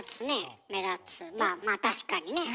まあまあ確かにね。